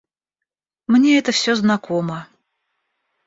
Мне это всё знакомо.